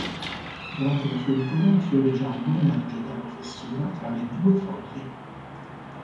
Durante la fioritura un fiore giallo emerge dalla fessura tra le due foglie.